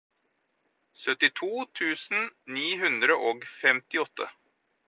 syttito tusen ni hundre og femtiåtte